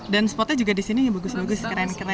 dan spotnya juga disini bagus bagus keren keren